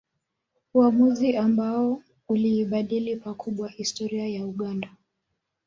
Uamuzi ambao uliibadili pakubwa historia ya Uganda